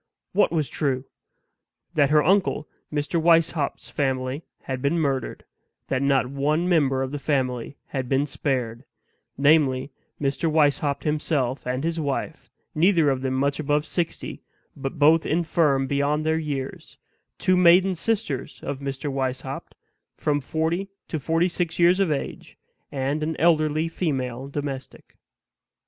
"What was true?" That her uncle Mr. Weishaupt's family had been murdered; that not one member of the family had been spared namely, Mr. Weishaupt himself and his wife, neither of them much above sixty, but both infirm beyond their years; two maiden sisters of Mr. Weishaupt, from forty to forty six years of age, and an elderly female domestic.